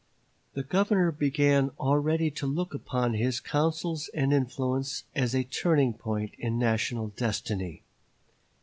The Governor began already to look upon his counsels and influence as a turning point in national destiny.